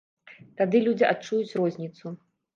Тады людзі адчуюць розніцу.